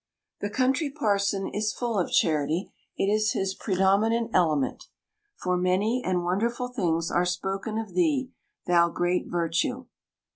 The Country Parson is full of charity ; it is his pre dominant element. For many and wonderful things are spoken of thee, thou great virtue.